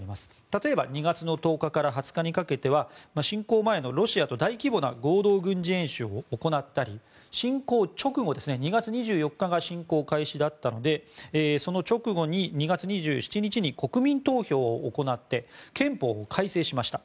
例えば２月１０日から２０日にかけては侵攻前のロシアと大規模な合同軍事演習を行ったり侵攻直後、２月２４日が侵攻開始だったのでその直後に２月２７日に国民投票を行って憲法を改正しました。